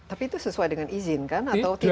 tapi itu sesuai dengan izin kan